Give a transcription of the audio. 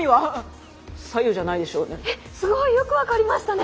えっすごいよく分かりましたね。